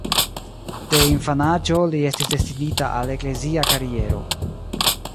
De infanaĝo li estis destinita al eklezia kariero.